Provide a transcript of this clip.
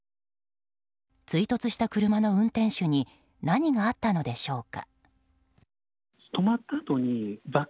追突した車の運転手に何があったのでしょうか。